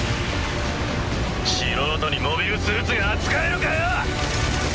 素人にモビルスーツが扱えるかよ！